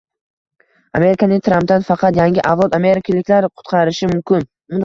Amerikani Trampdan faqat yangi avlod amerikaliklari qutqarishi mumkin